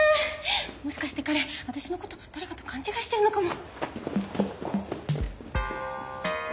もしかして彼私のこと誰かと勘違いしてるのかも。